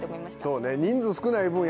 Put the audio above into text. そうね。